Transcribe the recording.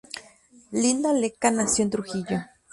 Linda Lecca nació en Trujillo.